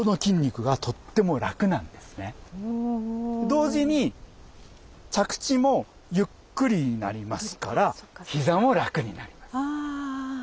同時に着地もゆっくりになりますからひざも楽になります。